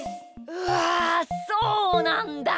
うわそうなんだ！